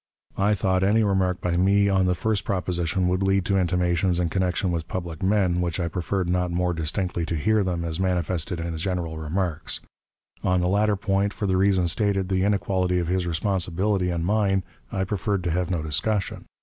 I thought any remark by me on the first proposition would lead to intimations in connection with public men which I preferred not more distinctly to hear than as manifested in his general remarks; on the latter point, for the reason stated, the inequality of his responsibility and mine, I preferred to have no discussion.